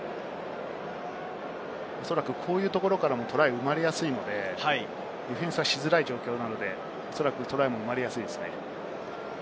おそらく、こういうところからもトライが生まれやすいので、ディフェンスはしづらい状況なので、トライが生まれやすいですね。